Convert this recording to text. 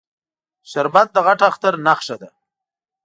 شربت د غټ اختر نښه ده